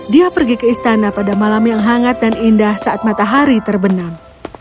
dia pergi ke istana pada malam yang hangat dan indah saat matahari terbenam